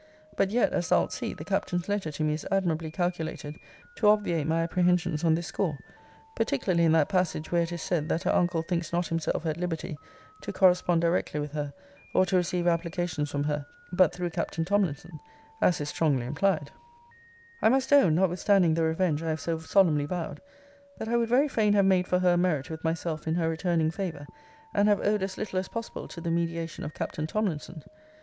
But yet, as thou'lt see, the Captain's letter to me is admirably calculated to obviate my apprehensions on this score; particularly in that passage where it is said, that her uncle thinks not himself at liberty to correspond directly with her, or to receive applications from her but through Captain Tomlinson, as is strongly implied.* * See Letter XXIV. of this volume. I must own, (notwithstanding the revenge I have so solemnly vowed,) that I would very fain have made for her a merit with myself in her returning favour, and have owed as little as possible to the mediation of Captain Tomlinson.